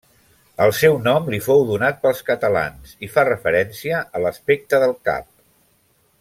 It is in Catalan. El seu nom li fou donat pels catalans i fa referència a l'aspecte del cap.